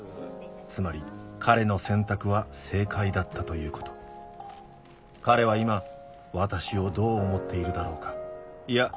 つまり彼の選択は正解だったということ彼は今私をどう思っているだろうかいや